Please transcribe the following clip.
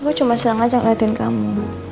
gue cuma senang aja ngeliatin kamu